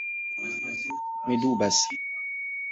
Mi dubas!